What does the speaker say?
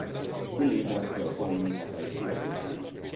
Quel libro creò polemica tra i siracusani.